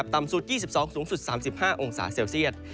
ต่ำสุด๒๒สูงสุด๓๕องศาเซลเซียต